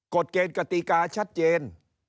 กฎเกณฑ์กติกาชัดเจน